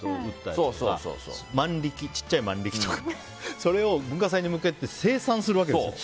小さい万力とかそれを文化祭に向けて生産するわけですよ。